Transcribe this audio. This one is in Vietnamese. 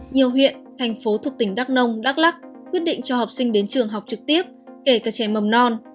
nhiều huyện thành phố thuộc tỉnh đắk nông đắk lắc quyết định cho học sinh đến trường học trực tiếp kể cả trẻ mầm non